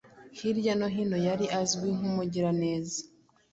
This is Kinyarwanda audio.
Hirya no hino yari azwi nk’umugiraneza